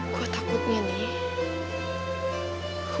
gue takutnya nih